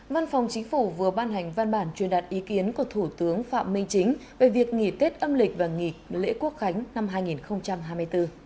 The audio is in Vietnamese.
văn phòng chính phủ vừa ban hành văn bản truyền đạt ý kiến của thủ tướng phạm minh chính về việc nghỉ tết âm lịch và nghỉ lễ quốc khánh năm hai nghìn hai mươi bốn